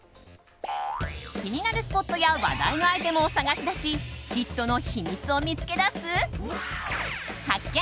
気になるスポットや話題のアイテムを探し出しヒットの秘密を見つけ出す発見！